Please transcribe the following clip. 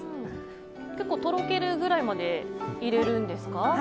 結構とろけるぐらいまで入れるんですか？